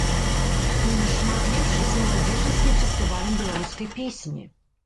Не нашмат лепш і з маладзечанскім фестывалем беларускай песні.